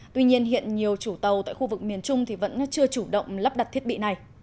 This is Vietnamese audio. tuy nhiên hiện nhiều chủ tàu tại khu vực miền trung thì vẫn chưa chủ động lắp đặt thiết bị này